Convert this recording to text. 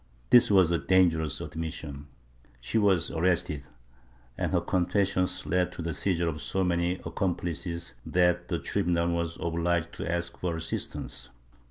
This was a dangerous admission; she was arrested, and her con fessions led to the seizure of so many accomplices that the tribunal was obliged to ask for assistance.